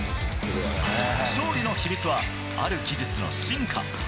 勝利の秘密は、ある技術の進化。